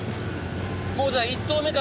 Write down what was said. もうじゃあ１投目から？